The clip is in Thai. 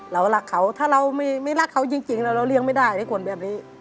เรารักเขาถ้าเราไม่รักเขาจริงแล้วเราเลี้ยงไม่ได้ไอ้คนแบบนี้